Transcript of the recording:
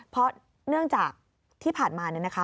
เพราะเนื่องจากที่ผ่านมาเนี่ยนะคะ